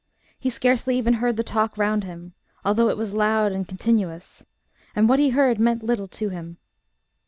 He scarcely even heard the talk round him, although it was loud and continuous; and what he heard meant little to him.